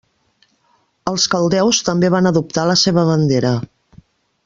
Els caldeus també van adoptar la seva bandera.